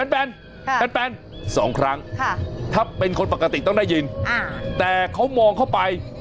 แนน๒ครั้งถ้าเป็นคนปกติต้องได้ยินแต่เขามองเข้าไป